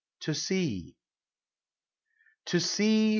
TO SEA! To sea